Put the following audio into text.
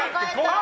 あ！